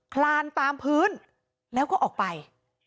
คลานตามพื้นแล้วก็ออกไป